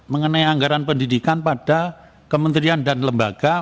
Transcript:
mengenai anggaran pendidikan pada kementerian dan lembaga